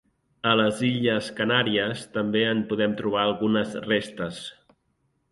A les Illes Canàries també en podem trobar algunes restes.